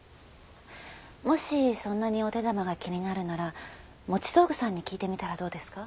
もしそんなにお手玉が気になるなら持道具さんに聞いてみたらどうですか？